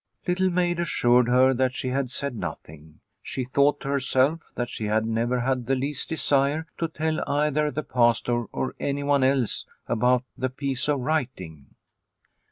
Little Maid assured her that she had said nothing. She thought to herself that she had never had the least desire to tell either the 22O Liliecrona's Home Pastor or anyone else about the piece of writing.